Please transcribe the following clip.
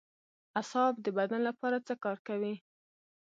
اعصاب د بدن لپاره څه کار کوي